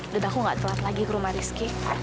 dan aku gak telat lagi ke rumah rizky